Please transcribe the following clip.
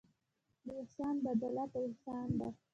د احسان بدله په احسان ده.